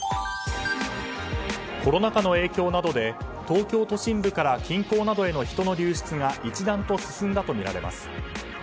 コロナ禍の影響などで東京都心部から近郊などへの人の流出が一段と進んだとみられます。